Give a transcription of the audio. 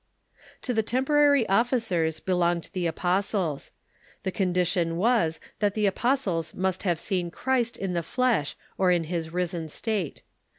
To the temporary officers belonged the apostles. The con dition was that the apostles must have seen Christ in the flesh or in his risen state.